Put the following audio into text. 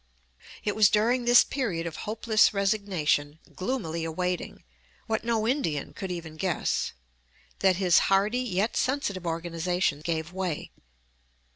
It was during this period of hopeless resignation, gloomily awaiting what, no Indian could even guess that his hardy, yet sensitive, organization gave way.